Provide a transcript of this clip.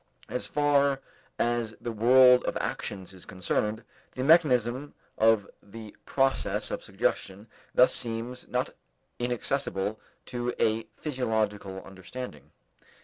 As far as the world of actions is concerned, the mechanism of the process of suggestion thus seems not inaccessible to a physiological understanding.